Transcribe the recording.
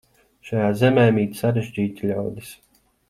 Šajā zemē mīt sarežģīti ļaudis.